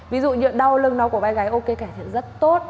ví dụ như đau lưng đó của bài gái ok cải thiện rất tốt